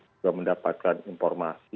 kita mendapatkan informasi